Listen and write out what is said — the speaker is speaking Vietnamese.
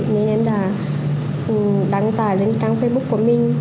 nên em đã đăng tải lên trang facebook của mình